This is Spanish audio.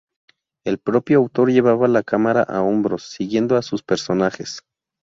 El propio autor llevaba la cámara a hombros, siguiendo a sus personajes.